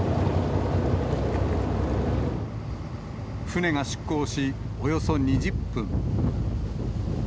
船が出港し、およそ２０分。